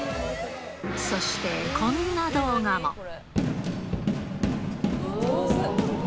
そして、こんな動画も。